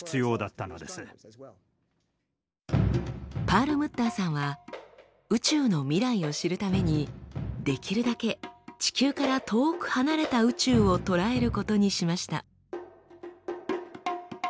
パールムッターさんは宇宙の未来を知るためにできるだけ地球から遠く離れた宇宙を捉えることにしました。